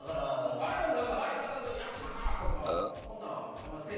あれは何か相方と「やったな！」とかこんなんはあんませぇ